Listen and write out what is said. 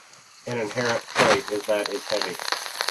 An inherent trait is that is heavy.